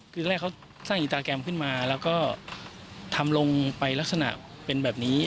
คือแรกเขาสร้างอินตาแกรมขึ้นมาแล้วก็ทำลงไปลักษณะเป็นแบบนี้